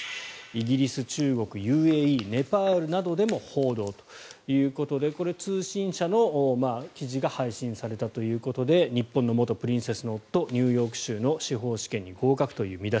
イギリス、中国、ＵＡＥネパールなどでも報道ということでこれは通信社の記事が配信されたということで日本の元プリンセスの夫ニューヨーク州の司法試験に合格という話。